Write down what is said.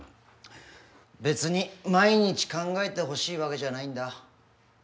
別に毎日考えてほしいわけじゃないんだ。